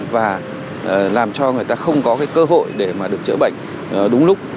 và làm cho người ta không có cơ hội để được chữa bệnh đúng lúc